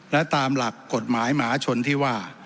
และตามหลักกฎหมายหมาชนที่ว่า